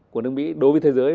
của nước mỹ đối với thế giới